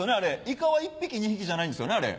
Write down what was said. イカは１匹２匹じゃないんですよねあれ。